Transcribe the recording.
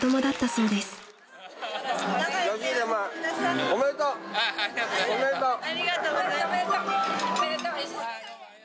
ありがとうございます。